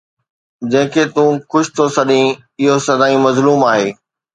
جنهن کي تون خوش ٿو سڏين، اهو سدائين مظلوم آهي